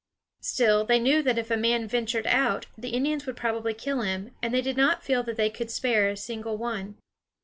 Still, they knew that if a man ventured out, the Indians would probably kill him, and they did not feel that they could spare a single one.